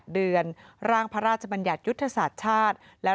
เดือนร่างพระราชบัญญัติยุทธศาสตร์ชาติแล้ว